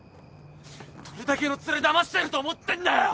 どれだけのツレだましてると思ってんだよ！